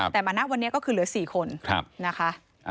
แต่มาณวันนี้ก็คือเหลือ๔คนนะคะ